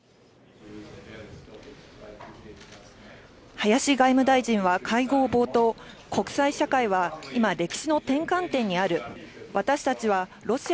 林外務大臣は会合冒頭、国際社会は今、歴史の転換点にある。